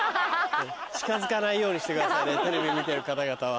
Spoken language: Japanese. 近づかないようにしてくださいねテレビ見てる方々は。